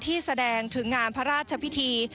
แสดงถึงงานพระราชพิธี